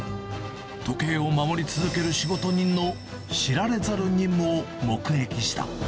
時計を守り続ける仕事人の知られざる任務を目撃した。